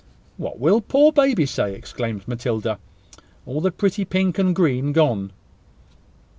"What will poor baby say?" exclaimed Matilda. "All the pretty pink and green gone!"